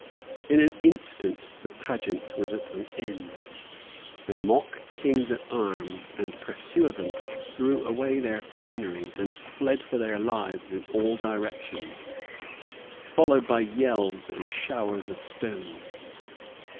In an instant the pageant was at an end. The mock kings at arms and pursuivants threw away their finery and fled for their lives in all directions, followed by yells and showers of stones.